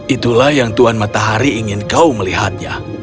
itulah yang tuhan matahari ingin kau melihatnya